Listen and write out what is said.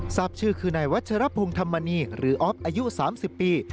ทราบชื่อคือนายวัชรพหุงธรรมณีหรือออฟอายุสามสิบปี